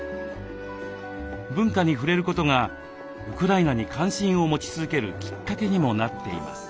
文化に触れることがウクライナに関心を持ち続けるきっかけにもなっています。